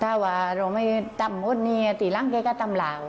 ถ้าว่าเราไม่ทำอาวุธนี้ตีหลังเคยก็ทำเหล่า